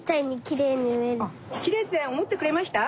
きれいっておもってくれました？